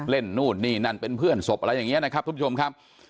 นู่นนี่นั่นเป็นเพื่อนศพอะไรอย่างนี้นะครับทุกผู้ชมครับ